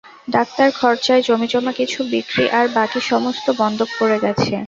Doctor খরচায় জমিজমা কিছু বিক্রি আর বাকি সমস্ত বন্ধক পড়ে গেছে।